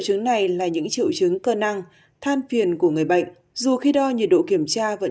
chứng này là những triệu chứng cơ năng than phiền của người bệnh dù khi đo nhiệt độ kiểm tra vẫn